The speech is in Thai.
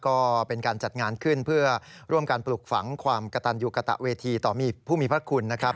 ก็เป็นการจัดงานขึ้นเพื่อร่วมการปลูกฝังความกระตันยูกระตะเวทีต่อมีผู้มีพระคุณนะครับ